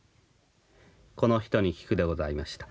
「『この人にきく』でございました」。